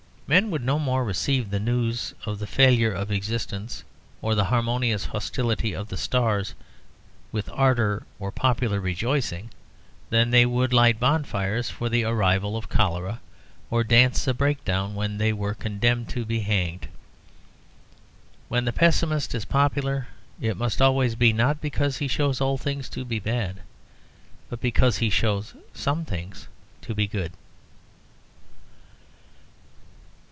Men would no more receive the news of the failure of existence or of the harmonious hostility of the stars with ardour or popular rejoicing than they would light bonfires for the arrival of cholera or dance a breakdown when they were condemned to be hanged. When the pessimist is popular it must always be not because he shows all things to be bad, but because he shows some things to be good.